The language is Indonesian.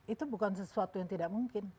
itu bukan sesuatu yang tidak mungkin